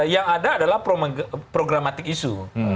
yang ada adalah programatik isu